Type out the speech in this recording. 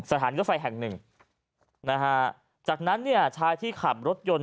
สถานีรถไฟแห่งหนึ่งนะฮะจากนั้นเนี่ยชายที่ขับรถยนต์